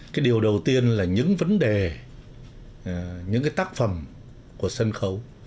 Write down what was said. cái điều đầu tiên là những vấn đề những cái tác phẩm của sân khấu